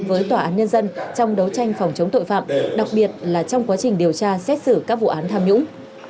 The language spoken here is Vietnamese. với tòa án nhân dân trong đấu tranh phòng chống tội phạm đặc biệt là trong quá trình điều tra xét xử các vụ án tham nhũng